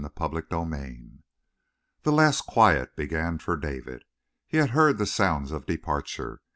CHAPTER THIRTY SIX The last quiet began for David. He had heard the sounds of departure.